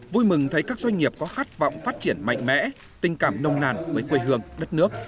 vui mừng thấy các doanh nghiệp có khát vọng phát triển mạnh mẽ tình cảm nông nàn với quê hương đất nước